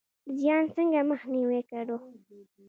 زیان څنګه مخنیوی کړو؟